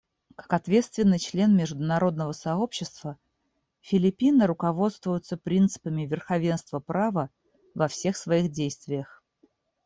Как ответственный член международного сообщества Филиппины руководствуются принципами верховенства права во всех своих действиях.